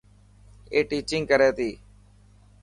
اي ٽيچنگ ڪري تي.